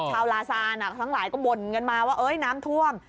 ลาซานทั้งหลายก็บ่นกันมาว่าน้ำท่วม